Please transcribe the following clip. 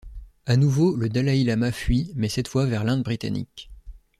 À nouveau, le dalaï-lama fuit mais cette fois vers l'Inde britannique.